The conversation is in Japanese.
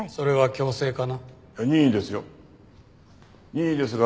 任意ですよ。